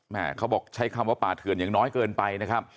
เขาบอกใช้คำว่าป่าเถื่อนอย่างน้อยเกินไปนะครับ